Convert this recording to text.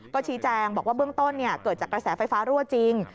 ก็ชี้แจงบอกว่าเบื้องต้นเกิดจากกระแสไฟฟ้ารั่วจริง